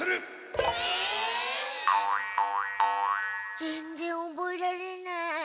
ぜんぜんおぼえられない。